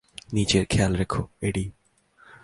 নিজের খেয়াল রেখো, এডি।